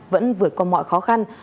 vẫn vượt qua mọi khó khăn